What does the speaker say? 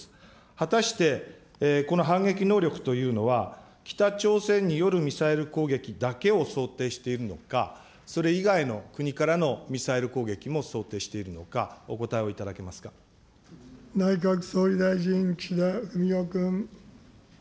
果たしてこの反撃能力というのは、北朝鮮によるミサイル攻撃だけを想定しているのか、それ以外の国からのミサイル攻撃も想定しているのか、内閣総理大臣、岸田文雄君。